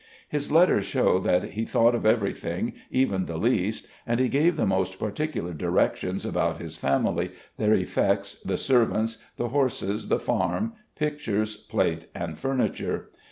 His letters show that he thought of everything, even the least, and he gave the most particular directions about his family, their effects, the servants, the horses, the farm, pictures, plate, and furniture.